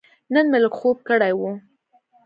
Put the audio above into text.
نن مې لږ خوب کړی و.